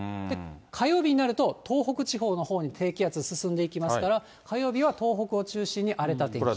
火曜日になると東北地方のほうに低気圧進んでいきますから、火曜日は東北を中心に荒れた天気。